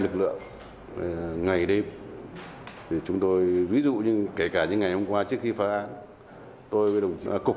lực lượng ngày đêm thì chúng tôi ví dụ như kể cả những ngày hôm qua trước khi phá án tôi với cục